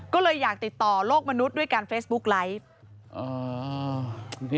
ก็เลยอยากติดต่อโลกมนุษย์ด้วยการเฟซบุ๊กไลฟ์